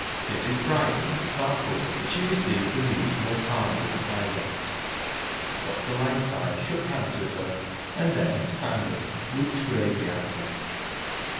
Mrs. Bryce looked s'artled; but she received the news more calmly than Ida. Dr. Langside shook hands with her, and then, standing, looked gravely at them.